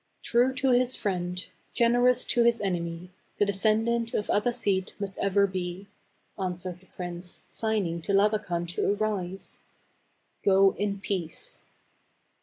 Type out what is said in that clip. " "True to his friend, generous to his enemy, the descendant of Abassid must ever be," an • swered the prince, signing to Labakan to arise. " Go in peace."